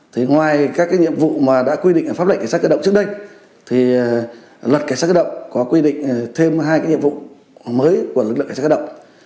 thì ngoài các cái nhiệm vụ mà đã quy định pháp lệnh cảnh sát cơ động trước đây thì luật cảnh sát cơ động có quy định thêm hai cái nhiệm vụ mới của lực lượng cảnh sát cơ động